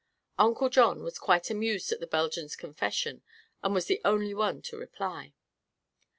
Uncle John was quite amused at the Belgian's confession and was the only one to reply.